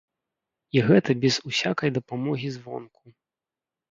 І гэта без усякай дапамогі звонку.